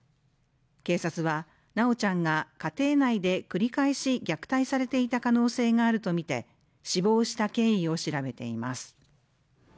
警察は、修ちゃんが家庭内で繰り返し虐待されていた可能性があるとみて死亡した経緯を調べています。